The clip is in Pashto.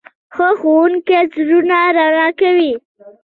ښه ښوونکی زړونه رڼا کوي.